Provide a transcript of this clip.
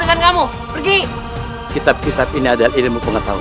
buatku potongkupkan kesimpulkan saya